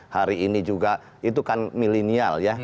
hari ini juga itu kan milenial ya